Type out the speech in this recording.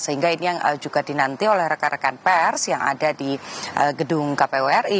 sehingga ini yang juga dinanti oleh rekan rekan pers yang ada di gedung kpu ri